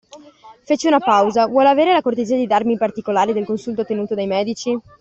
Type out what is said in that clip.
Fece una pausa: Vuol avere la cortesia di darmi i particolari del consulto tenuto dai medici?